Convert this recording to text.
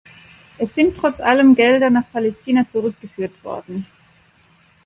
Es sind trotz allem Gelder nach Palästina zurückgeführt worden.